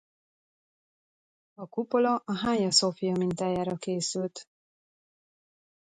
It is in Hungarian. A kupola a Hagia Szophia mintájára készült.